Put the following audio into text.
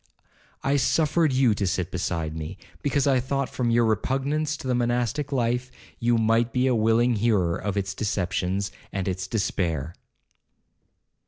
I suffered you to sit beside me, because I thought, from your repugnance to the monastic life, you might be a willing hearer of its deceptions, and its despair.'